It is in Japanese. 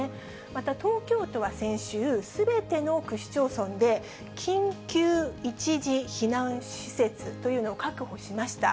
また東京都は先週、すべての区市町村で、緊急一時避難施設というのを確保しました。